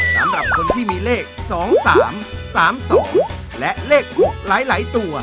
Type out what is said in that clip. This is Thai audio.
สำหรับคนที่มีเลข๒๓๓๒และเลขคู่หลายตัว